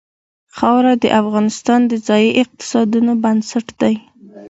خاوره د افغانستان د ځایي اقتصادونو بنسټ دی.